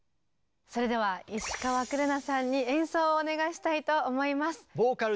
それでは石川紅奈さんに演奏をお願いしたいと思います。